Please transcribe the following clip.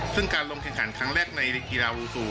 ซึ่งการลงแข่งขันครั้งแรกในกีฬาวูซู